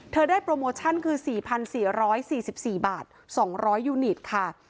ได้โปรโมชั่นคือ๔๔๔บาท๒๐๐ยูนิตค่ะ